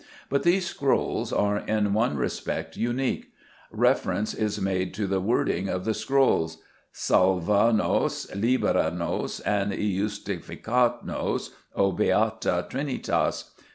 But these scrolls are in one respect unique." Reference is made to the wording of the scrolls, "Salva nos, Libera nos, and Iustifica nos, O beata Trinitas."